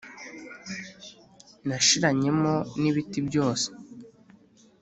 nashiranyemo nibiti byose